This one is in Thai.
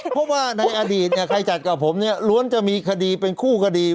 เพราะว่าในอดีตใครจัดกับผมเนี่ยล้วนจะมีคดีเป็นคู่คดี